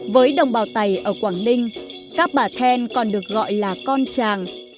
với đồng bào tày ở quảng ninh các bà then còn được gọi là con tràng